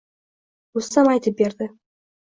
Rustam aytib berdi: